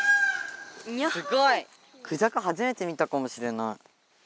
クジャク初めて見たかもしれない。